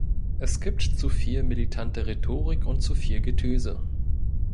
Es gibt zu viel militante Rhetorik und zu viel Getöse.